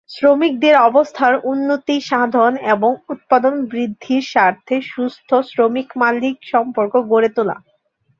শ্রমিকদের অবস্থার উন্নতি সাধন এবং উৎপাদন বৃদ্ধির স্বার্থে সুস্থ শ্রমিক-মালিক সম্পর্ক গড়ে তোলা।